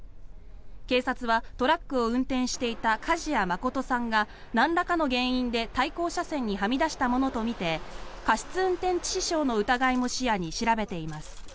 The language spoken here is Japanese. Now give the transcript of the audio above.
警察はトラックを運転していた梶谷誠さんがなんらかの原因で対向車線にはみ出したものとみて過失運転致死傷の疑いも視野に調べています。